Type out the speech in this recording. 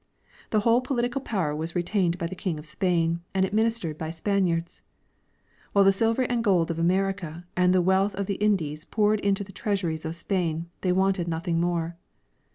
The whole political power was retained by the king of Spain and administered by Spaniards. While the silver and gold of America and the wealth of the Indies poured into the treasuries of Spain they wanted nothing more.